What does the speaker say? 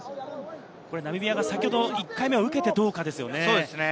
ナミビアが先ほど１回目を受けてどうかですよね。